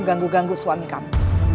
ganggu ganggu suami kamu